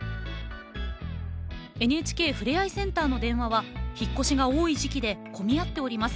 ＮＨＫふれあいセンターの電話は引っ越しが多い時期で込み合っております。